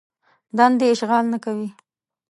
دندې اشغال نه کوي.